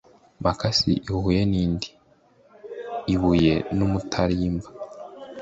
Makasi ihuye n'indi-Ibuye n'umutarimba.